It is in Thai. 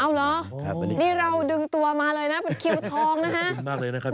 เอาเหรอนี่เราดึงตัวมาเลยนะเป็นคิวทองนะฮะมากเลยนะครับ